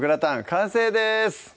完成です